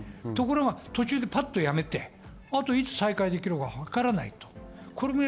途中でパッとやめて、いつ再開できるかわからないと。